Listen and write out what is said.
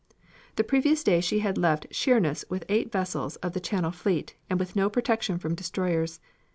The previous day she had left Sheerness with eight vessels of the Channel fleet and with no protection from destroyers.